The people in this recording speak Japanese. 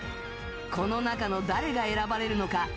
この中の誰が選ばれるのか？